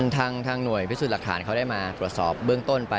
ทางหน่วยพิสูจน์หลักฐานเขาได้มาตรวจสอบเบื้องต้นไป